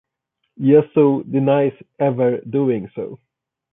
Yazov denies ever doing so.